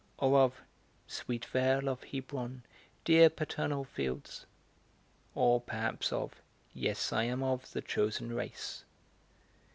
or of Sweet vale of Hebron, dear paternal fields, or, perhaps, of Yes, I am of the chosen race.